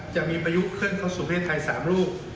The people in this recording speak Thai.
จะมีพายุเข้าสู่เมืองไทย๓ลูก